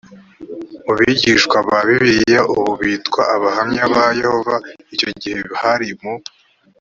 mu bigishwa ba bibiliya ubu bitwa abahamya ba yehova icyo gihe hari mu